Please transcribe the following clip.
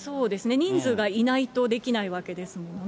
人数がいないとできないわけですものね。